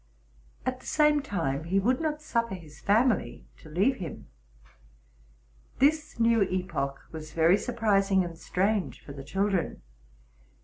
At the same time, he would not suffer his family to leave him. This new epoch was very surprising and strange for the children.